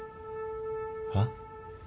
はっ？